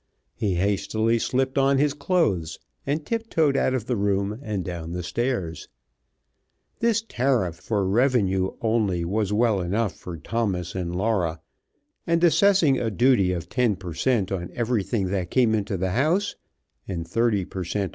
He hastily slipped on his clothes, and tip toed out of the room and down the stairs. This tariff for revenue only was well enough for Thomas and Laura, and assessing a duty of ten per cent. on everything that came into the house (and thirty per cent.